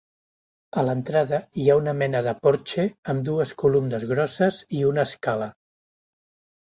A l'entrada hi ha una mena de porxe amb dues columnes grosses i una escala.